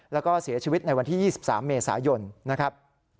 แล้วก็เสียชีวิตในวันที่๒๓เมษายนนะครับ